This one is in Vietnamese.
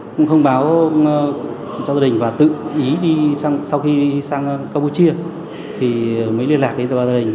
cũng không báo cho gia đình và tự ý đi sau khi sang campuchia thì mới liên lạc đến cho gia đình